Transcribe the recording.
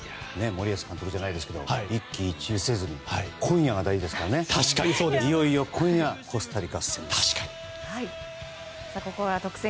森保監督じゃないですけど一喜一憂せず今夜が大事ですから今夜コスタリカ戦です。